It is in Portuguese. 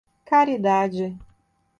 Caridade